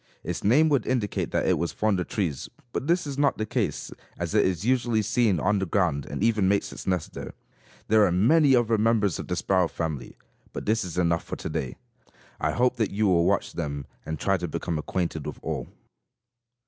Its name would indicate that it was fond of trees, but this is not the case, as it is usually seen on the ground and even makes its nest there. There are many other members of the sparrow family, but this is enough for to day. I hope that you will watch them and try to become acquainted with all.